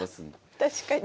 確かに。